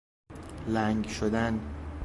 لنگ شدن